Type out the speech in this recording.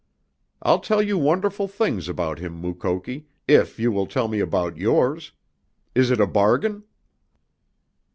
I'll tell you wonderful things about Him, Mukoki, if you will tell me about yours. Is it a bargain?"